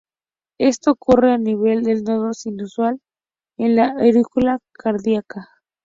Esto ocurre a nivel del nodo sinusal, en la aurícula cardíaca.